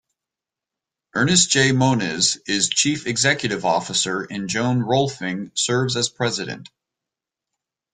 Ernest J. Moniz is chief executive officer, and Joan Rohlfing serves as president.